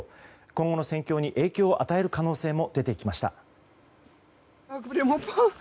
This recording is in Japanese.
今後の戦況に影響を与える可能性も出てきました。